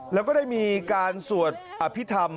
แล้วก็ได้มีการสวดอภิษฐรรม